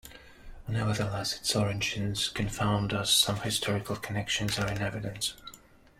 Nevertheless, if origins confound us, some historical connections are in evidence.